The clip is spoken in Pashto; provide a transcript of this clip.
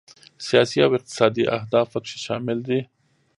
سیاسي او اقتصادي اهداف پکې شامل دي.